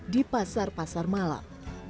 di pasar pasar malam